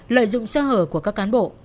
lợi dụng sơ hờ của các cán bộ